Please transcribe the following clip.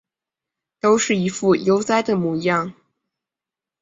都是一副悠哉的模样